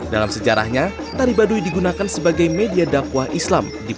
dalam sejarahnya tari baduy digunakan sebagai media dakwah islam